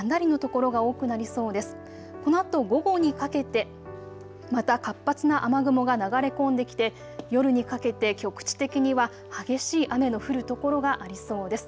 このあと午後にかけて、また活発な雨雲が流れ込んできて夜にかけて局地的には激しい雨の降る所がありそうです。